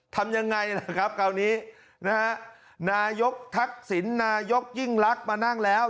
ทำยังไงล่ะครับคราวนี้นะฮะนายกทักษิณนายกยิ่งลักษณ์มานั่งแล้ว